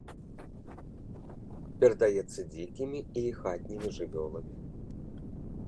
Перадаецца дзікімі і хатнімі жывёламі.